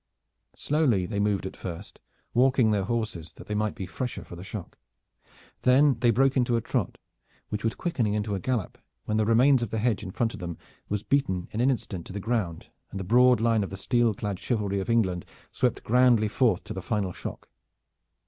Slowly they moved at first, walking their horses that they might be the fresher for the shock. Then they broke into a trot which was quickening into a gallop when the remains of the hedge in front of them was beaten in an instant to the ground and the broad line of the steel clad chivalry of England swept grandly forth to the final shock.